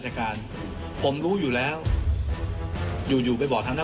สนุนโดยน้ำดื่มสิง